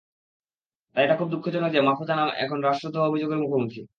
তাই, এটা খুবই দুঃখজনক যে, মাহ্ফুজ আনাম এখন রাষ্ট্রদ্রোহ অভিযোগের মুখোমুখি।